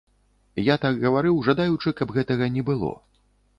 Я так гаварыў, жадаючы, каб гэтага не было.